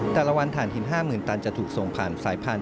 แต่ละวันถ่านหิน๕๐๐๐ตันจะถูกส่งผ่านสายพันธุ